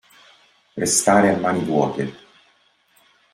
Restare a mani vuote.